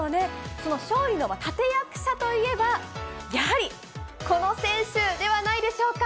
その勝利の立て役者といえば、やはりこの選手ではないでしょうか。